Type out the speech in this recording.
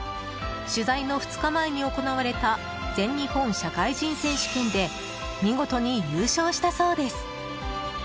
取材の２日前に行われた全日本社会人選手権で見事に優勝したそうです。